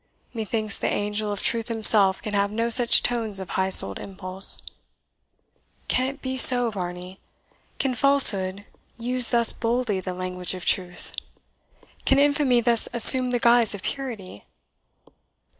Methinks the angel of truth himself can have no such tones of high souled impulse. Can it be so, Varney? can falsehood use thus boldly the language of truth? can infamy thus assume the guise of purity?